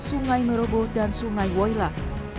sungai meroboh dan sungai woylah